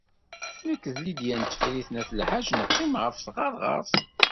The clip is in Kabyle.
Nekk d Lidya n Tifrit n At Lḥaǧ neqqim ɣef tɣerɣert.